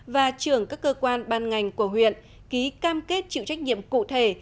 và trưởng các cơ quan ban ngành của huyện ký cam kết chịu trách nhiệm cụ thể